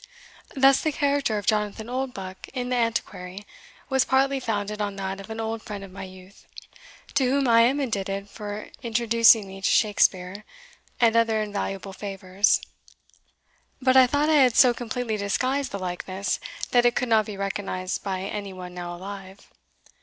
Thus the character of Jonathan Oldbuck in the Antiquary, was partly founded on that of an old friend of my youth, to whom I am indebted for introducing me to Shakspeare, and other invaluable favours; but I thought I had so completely disguised the likeness, that it could not be recognised by any one now alive.